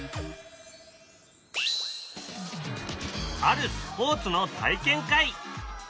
あるスポーツの体験会。